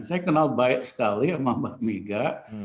saya kenal baik sekali sama mbak mega